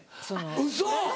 ウソ！